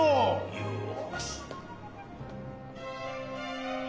よし。